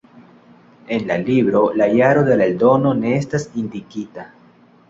En la libro la jaro de la eldono ne estas indikita.